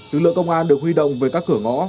lực lượng công an được huy động về các cửa ngõ